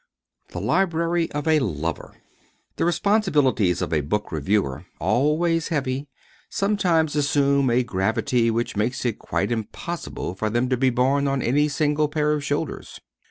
The Library of a Lover THE responsibilities of a book reviewer, always heavy, sometimes assume a gravity which makes it quite impossible for them to be borne on any single pair of shoulders.